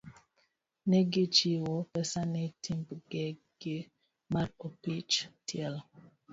Ne gichiwo pesa ne timbegi mar opich tielo.